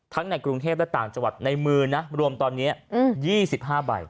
ทั้งในกรุงเทพและต่างจัวรรษในมือนะรวมตอนเนี้ย๒๕ใบ